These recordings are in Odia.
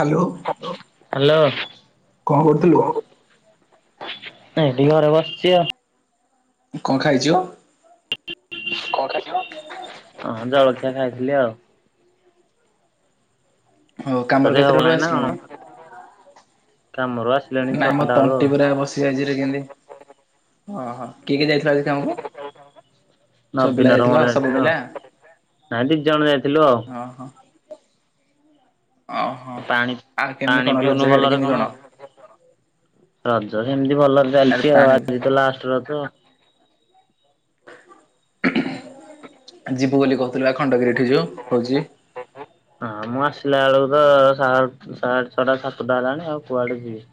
ହାଲୋ। ହାଲୋ। କଣ କରୁଥୁଲୁ? ଏଇଠି ଘରେ ବସଚି ଆଉ। କଣ ଖାଇଚୁ? [inaudible] ଅ ଜଳଖିଆ ଖାଇଥିଲି ଆଉ। ହୋଉ ତୋ କାମରୁ ଦେହ ଭଲ କେତେଟାରୁ ନାହିଁ ନା କଣ? ଆସିଲୁଣି? କାମରୁ ଆସିଲେଣି ନାଇ ଛଅଟା ମୋ ବେଳୁ ତଣ୍ଟି ଆଉ ପୁରା ବସି ଯାଇଚି ରେ କେନ୍ତି। ଅହ କିଏ କିଏ ଯାଇଥିଲ ଆଜି କାମକୁ। ସବ୍ ପିଲା ନବୀନର ମୋର ଯାଇଥିଲ ସବୁ ଯାଇଥିଲୁ ପିଲା? ଆଉ। ନାଇଁ ଦି ଜଣ ଯାଇଥିଲୁ ଆଉ ଅହ। ଅହ। ପାଣି ପାଣି ପିଉନୁ ଭଲରେ କଣ? ରଜରେ ହେମିତି ଭଲ ଆରେ ଚାଲିଚି ଆଉ ପାଣି ଆଜି ତ ଲାଷ୍ଟ୍ ରଜ। ଯିବୁ ବୋଲି କୋହୁଥିଲୁ ବା ଖଣ୍ଡଗିରି ଠି ଯୋଉ ହୋଉଛି। ହଁ ମୁଁ ଆସିଲା ବେଳକୁ ତ ସା ସାଡ଼େ ଛଟା ସାତୁଟା ହେଲାଣି ଆଉ କୁଆଡ଼େ ଯିବି।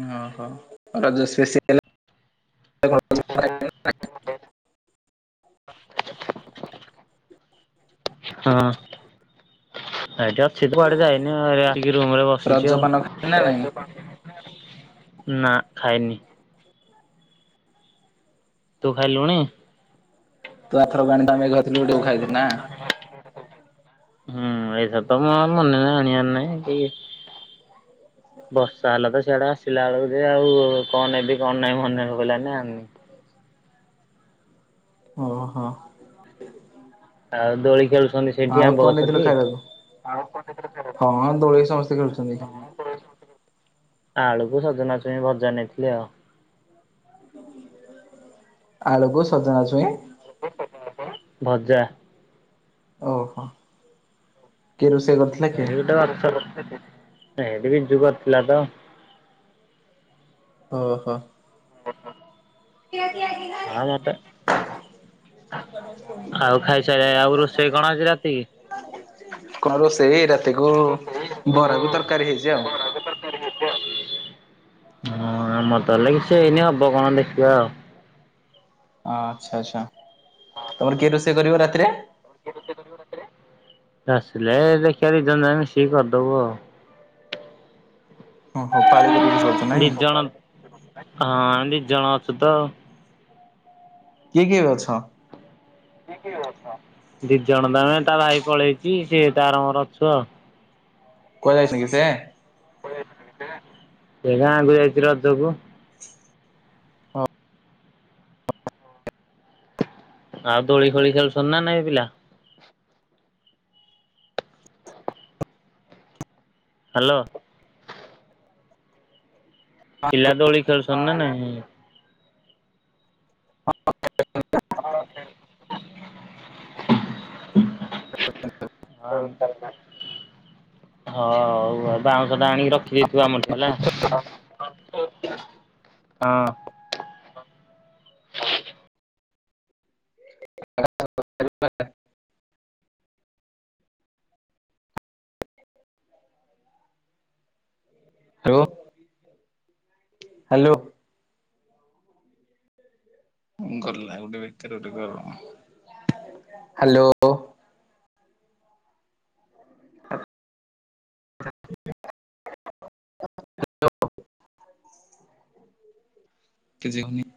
ଉଁ ଓହୋ ରଜ ସ୍ପେସିଆଲ [unintelligible] [unintelligible] ହଁ। ଆଇଟି ଅଛି ତୁଆଡ଼େ ଯାଇନିି ରୁମ୍ ରେ ବସିଚି ରଜପାନ ଖାଇଲୁ ନା ନାଇଁ? ଆଉ। ନାଁ ଖାଇନି। ତୁ ଖାଇଲୁଣି? ତୁ ଆର୍ଥରକ ଗଣିତ ଆମେ ଘର [inaudible] [inaudible] ହୁଁ ଏଇଥର ତ ମୁଁ ଆଉ ମନେ ନାଇଁ ଆଣି ବାର୍ ନାଇଁ କି [inaudible] ବର୍ଷା ହେଲା ତ ସିଆଡ଼େ ଆସିଲା ବେଳକୁ ଯେ ଆଉ କଁ ନେବି କଣ ନାଇଁ ମନେ ପଇଲାନି ଆଣନି। ଓହୋ। ଆଉ ଦୋଳି ଖେଳୁଛନ୍ତି ସେଇଠି ଆଉ ଆମ୍ବ କଣ ନେଇଥିଲୁ ଗଛଠି? ଖାଇବାକୁ? ଆଉ ପଠେ [unintelligible] ହଁ ଦୋଳି ସମସ୍ତେ ଖେଳୁଛନ୍ତି। ଆଳୁ କୁ ସଜନା ଛୁଇଁ ଭଜା ନେଇଥିଲି ଆଉ। ଆଳୁ କୁ ସଜନା ଚୁଇଁ। ଭଜା। ଓହୋ କିଏ ରୋଷେଇ କର ଏ ଗୋଟେ ବର୍ଷର ନେଇ ଏବେ ବିଯୁ କରିଥିଲା ତ। ଅ ହ। [inaudible] କିୟା କିୟା ଇଲ୍ହାରେ [inaudible] ହାଉ ଖାଇସାରିଲାଣି ଆଉ ରୋଷେଇ କଣ ଆଜି ରାତି କି? କଣ ରୋଷେଇ ହେଇ ରାତିକୁ ବରା କୁ ତାରକାରୀ ହେଇଚି ଆଉ। ଆଁ ଆମ ତା ଲାଗି ସେ ଏଇନେ ଅବ କଣ ଦେଖିବା ଆଉ। ଆ ଛା ଛା। [inaudible] ତମର୍ କିଏ ରୋଷେ କରିବ ରାତିରେ? ଆସିଲେ ଦେଖିଆ ଦୁଇ ଜଣ ଯାକ ମିସିକି କର୍ଦବୁ ଆଉ। ହଁ ହଉ ପାଳି କରି ରୋଷେଇ କରୁଛ ନାଇଁ ଦି ଜଣ ହଁ ଦି ଜଣ ଅଛୁ ତ। କିଏ କିଏ ଅଛ? ଦି ଜଣ ତାମେ ତା ଭାଇ ପଳେଇଚି ସିଏ ତ ଆର ମର ଅଛୁ ଆଉ। କୁଆଏ ଯାଇଚନ୍ତି କି ସେ? ସେ ଗାଁକୁ ଯାଇଚି ରାଜ କୁ। ଆ ଦୋଳି ଫୋଳି ଖେଳୁଶନ୍ତି ନା ନାଇଁ ପିଲା। ହାଲୋ। ପିଲା ଦୋଳି ଖେଳୁସଛନ୍ତି ନାଁ ନାଇଁ [inaudible] [inaudible] [inaudible] [inaudible] ହଁ ଉ ବାଉଁଶ ଟା ଆଣିକି ରଖ୍ ଖୀ ଦେଇଥିବୁ ଆମ ଠି ହେଲା ହଁ। [unintelligible] Hello hello. ଗଲା ଗୋଟେ ବେକରେ ଗୋଟେ ଗର ହାଲୋ। [unintelligible] [unintelligible] କିଜିିବନି।